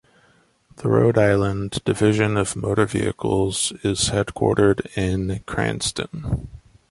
The Rhode Island Division of Motor Vehicles in headquartered in Cranston.